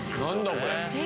これ。